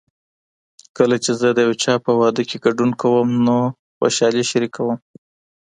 کله چې زه د یو چا په واده کې ګډون کوم نو خوشالي شریکوم.